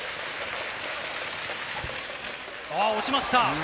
あ、落ちました。